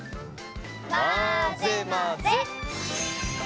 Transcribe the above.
まぜまぜ！